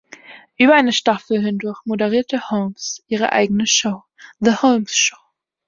Über eine Staffel hindurch moderierte Holmes ihre eigene Show, „The Holmes Show“.